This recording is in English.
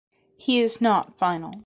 He is not final.